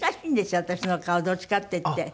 私の顔どっちかっていって。